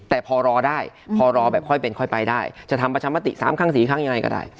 แต่พอรอได้พอรอแบบค่อยเป็นค่อยไปได้จะทำประชามติ๓ครั้ง๔ครั้งยังไงก็ได้